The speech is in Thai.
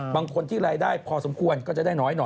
บางคนที่รายได้พอสมควรก็จะได้น้อยหน่อย